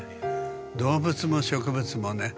動物も植物もね